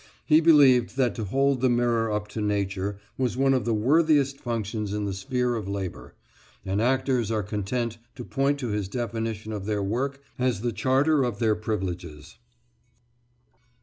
He believed that to hold the mirror up to nature was one of the worthiest functions in the sphere of labour, and actors are content to point to his definition of their work as the charter of their privileges.